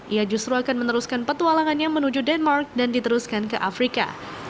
ia justru akan meneruskan petualangannya menuju denmark dan diteruskan ke afrika